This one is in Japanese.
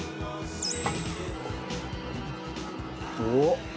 おっ！